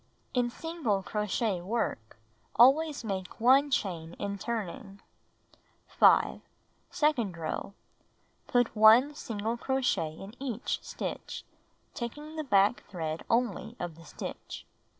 (In single crochet work, always make 1 chain in turning.) 5. Second row: Put 1 single crochet in each stitch, taking the back thread only of the stitch.